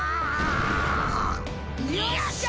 よっしゃ！